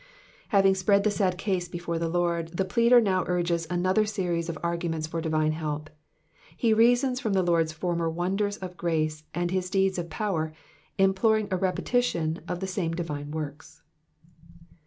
Having pprend the sad case before tlie Lord, the pleader now urges another aeries of aiguments for divine help. He reasons from the Lora's former wonders of grace, and his deeds of power, imploring a repetition of the same divine works.